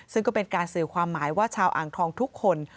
ซึ่งก็เป็นการสื่อความหมายว่าชาวอ่างทองทุกคน